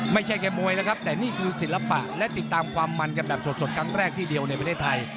ไม่ใช่แค่มวยนะครับแต่นี่คือศิลปะและติดตามความมันกันแบบสดครั้งแรกที่เดียวในประเทศไทย